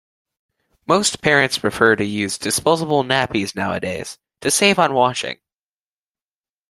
Most parents prefer to use disposable nappies nowadays, to save on washing